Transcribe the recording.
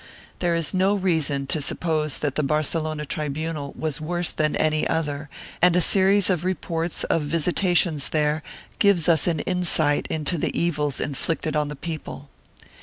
There is no reason to suppose that the Barcelona tribunal was worse than any other and a series of reports of visitations there gives us an insight into the evils inflicted on the people.